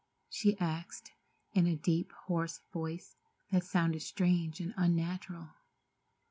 she asked in a deep, hoarse voice that sounded strange and unnatural.